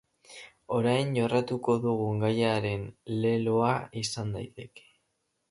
Orain jorratuko dugun gaiaren leloa izan daiteke.